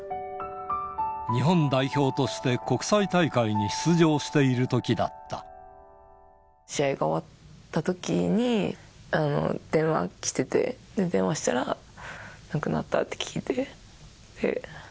日本代表として国際大会に出試合が終わったときに、電話来てて、電話したら、亡くなったって聞いて。